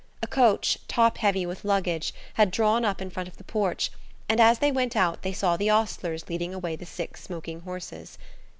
A coach, top heavy with luggage, had drawn up in front of the porch, and as they went out they saw the ostlers leading away the six smoking horses.